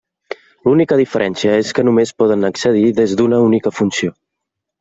L'única diferència és que només poden accedir des d'una única funció.